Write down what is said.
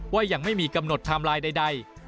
ว่ายังไม่มีกำหนดทำลายใด